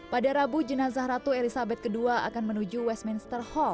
pada rabu jenazah ratu elizabeth ii akan menuju westminster hall